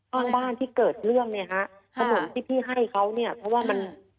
ข้างบ้านที่เกิดเรื่องเนี่ยฮะถนนที่พี่ให้เขาเนี่ยเพราะว่ามัน